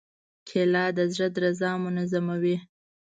کېله د زړه درزا منظموي.